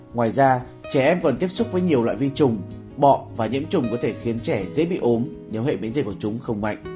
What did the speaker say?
ngoài ra trẻ em còn tiếp xúc với nhiều loại vi trùng bọ và nhiễm trùng có thể khiến trẻ dễ bị ốm nếu hệ biến dịch của chúng không mạnh